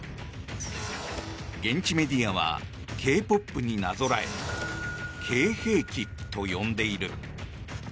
現地メディアはＫ‐ＰＯＰになぞらえＫ‐兵器と呼んでいる。